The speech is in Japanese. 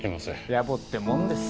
ヤボってもんです。